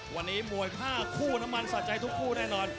วันนี้มวย๕คู่น้ำมันสะใจทุกคู่แน่นอน